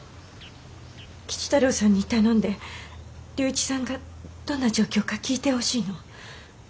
吉太郎さんに頼んで龍一さんがどんな状況か聞いてほしいの。